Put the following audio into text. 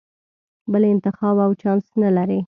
بل انتخاب او چانس نه لرې.